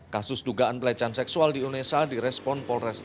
kasus dugaan pelecehan seksual di unesa direspon polresta